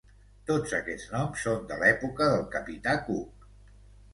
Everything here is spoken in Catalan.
Tots aquests noms són de l'època del capità Cook.